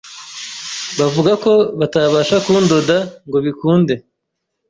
bavuga ko batabasha kundoda ngo bikunde,